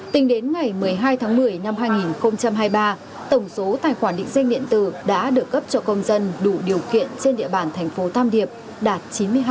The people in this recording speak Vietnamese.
tính đến ngày một mươi hai tháng một mươi năm hai nghìn hai mươi ba tổng số tài khoản định danh điện tử đã được cấp cho công dân đủ điều kiện trên địa bàn thành phố tam điệp đạt chín mươi hai